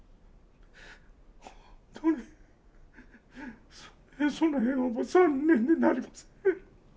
本当にその辺は残念でなりません。